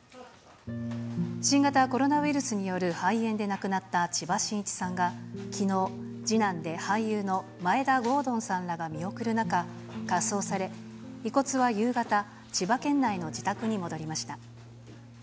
新型コロナウイルスによる肺炎で亡くなった千葉真一さんが、きのう、次男で俳優の眞栄田ごうどんさんらが見守る中、火葬され、遺骨は夕方、千葉県内の自宅に戻りました。